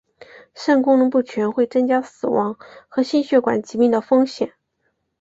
肾功能不全会增加死亡和心血管疾病的风险。